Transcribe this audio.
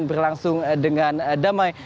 berlangsung dengan damai